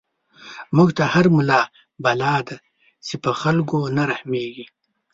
موږ ته هر ملا بلا دی، چی په خلکو نه رحميږی